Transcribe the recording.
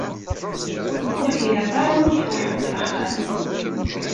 Ur k-ilaq ara ad truḥeḍ s axxam?